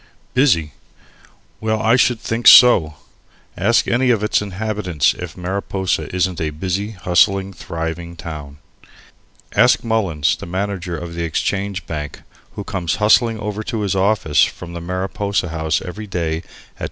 Busy well, I should think so! Ask any of its inhabitants if Mariposa isn't a busy, hustling, thriving town. Ask Mullins, the manager of the Exchange Bank, who comes hustling over to his office from the Mariposa House every day at 10.